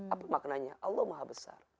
apa maknanya allah maha besar